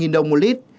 giảm một đồng một lít